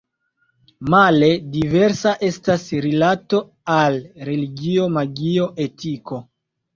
Male diversa estas rilato al religio, magio, etiko.